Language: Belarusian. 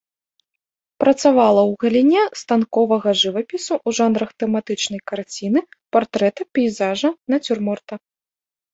Працавала ў галіне станковага жывапісу ў жанрах тэматычнай карціны, партрэта, пейзажа, нацюрморта.